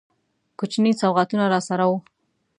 کوچني سوغاتونه راسره وه.